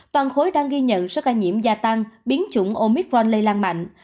toàn khối đang ghi nhận số ca nhiễm gia tăng biến chủng omicron lây lan mạnh